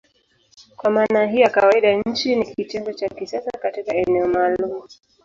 Kwa maana hii ya kawaida nchi ni kitengo cha kisiasa katika eneo maalumu.